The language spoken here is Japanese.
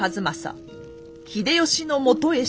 秀吉のもとへ出奔。